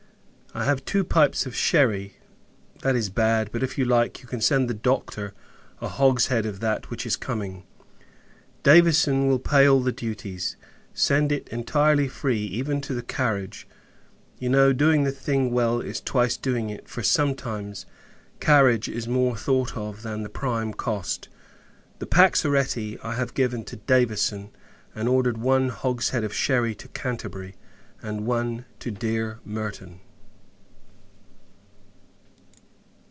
I have two pipes of sherry, that is bad; but, if you like, you can send the Doctor a hogshead of that which is coming. Davison will pay all the duties. Send it entirely free, even to the carriage. You know, doing the thing well, is twice doing it; for, sometimes, carriage is more thought of than the prime cost. The paxoretti I have given to Davison; and ordered one hogshead of sherry to Canterbury, and one to dear Merton.